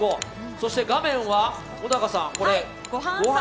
そして画面は、小高さんこれは。